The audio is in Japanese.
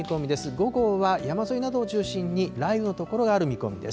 午後は山沿いなどを中心に雷雨の所がある見込みです。